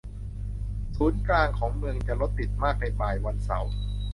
ศูนย์กลางของเมืองจะรถติดมากในบ่ายวันเสาร์